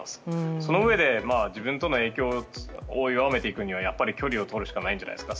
そのうえで自分との影響を弱めていくには距離をとるしかないんじゃないですか。